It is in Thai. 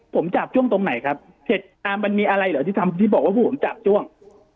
ผมจับช่วงตรงไหนครับเห็นมันมีอะไรเหรอที่บอกว่าผมจับช่วง